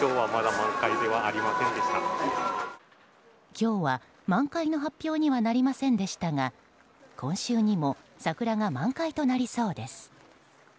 今日は満開の発表にはなりませんでしたが今週にも桜が満開となりそうです。